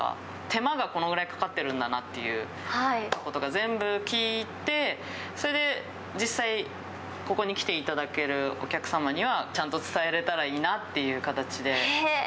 手間がこのぐらいかかってるんだなっていうことが、全部聞いて、それで実際、ここに来ていただけるお客様には、ちゃんと伝えれたらいいなっていう形で。